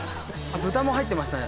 豚も入ってましたね